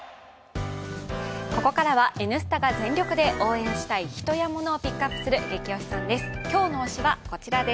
ここからは「Ｎスタ」が全力で応援したい人や物をピックアップする「ゲキ推しさん」です。